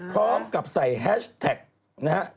พร้อมกับใส่แฮชแท็กนะฮะ